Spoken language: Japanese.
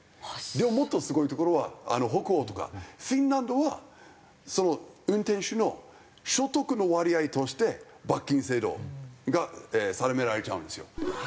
でももっとすごい所は北欧とかフィンランドは運転手の所得の割合として罰金制度が定められちゃうんですよ。